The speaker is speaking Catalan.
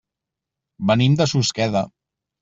Venim de Susqueda.